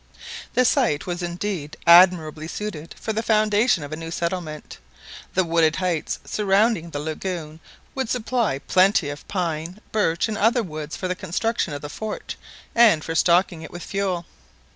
The site was indeed admirably suited for the foundation of a new settlement. The wooded heights surrounding the lagoon would supply plenty of pine, birch, and other woods for the construction of the fort, and for stocking, it with' fuel.